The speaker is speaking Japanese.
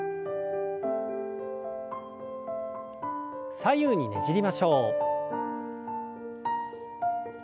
左右にねじりましょう。